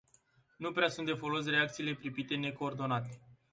Nu prea sunt de folos reacțiile pripite necoordonate.